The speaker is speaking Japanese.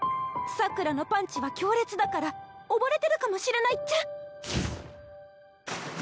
サクラのパンチは強烈だから溺れてるかもしれないっちゃ。